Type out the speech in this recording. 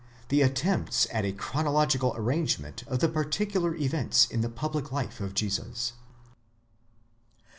THE ATTEMPTS AT A CHRONOLOGIGAL ARRANGEMENT OF THE PARTICULAR EVENTS IN THE PUBLIC LIFE OF JESUS.